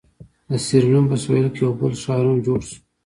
د سیریلیون په سوېل کې یو بل ښار هم جوړ شو.